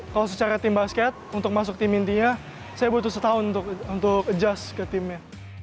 kalau secara tim basket untuk masuk tim intinya saya butuh setahun untuk adjust ke timnya